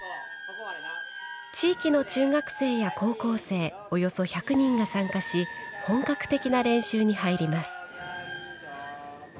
地域の中学生や高校生およそ１００人が参加し本格的な練習に入ります。